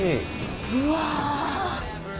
うわ。